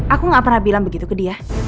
aku gak pernah bilang begitu ke dia